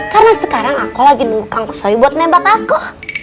karena sekarang aku lagi nunggu kukusoi buat nembak aku